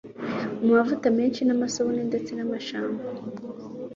mu mavuta menshi n'amasabune ndetse n'ama shampoo.